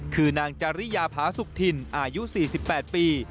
คือนางจริยาพาสุธินอายุ๔๘ปี